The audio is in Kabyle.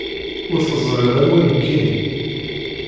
Ur teẓriḍ anwa nekkini.